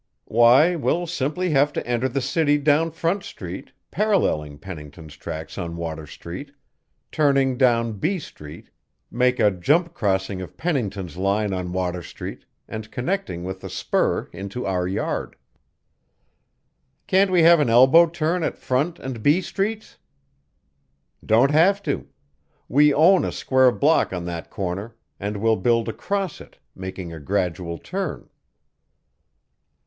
"Why, we'll simply have to enter the city down Front Street, paralleling Pennington's tracks on Water Street, turning down B Street, make a jump crossing of Pennington's line on Water Street, and connecting with the spur into our yard." "Can't have an elbow turn at Front and B streets?" "Don't have to. We own a square block on that corner, and we'll build across it, making a gradual turn."